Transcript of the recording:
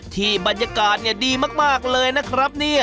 ที่บรรยากาศดีมากเลยนะครับเนี่ย